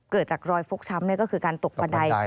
เกิดจากรอยฟกช้ำก็คือการตกบันได